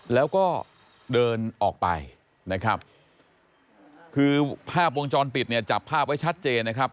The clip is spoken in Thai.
แล้วก็เดินออกไปนะครับคือภาพวงจรปิดเนี่ยจับภาพไว้ชัดเจนนะครับ